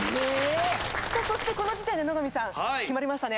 さあそしてこの時点で野上さん決まりましたね。